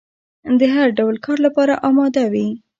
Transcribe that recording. د هر ډول کار لپاره اماده وي.